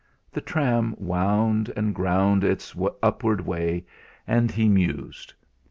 The tram wound and ground its upward way, and he mused.